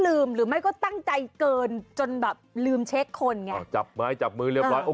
เออเออ